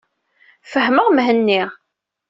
Fehhmeɣ Mhenni.